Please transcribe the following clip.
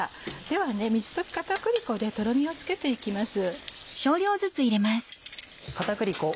では水溶き片栗粉でとろみをつけて行きます。